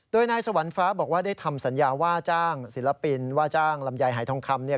โดยนายสวรรค์ฟ้าบอกว่าได้ทำสัญญาว่าจ้างศิลปินว่าจ้างลำไยหายทองคำเนี่ย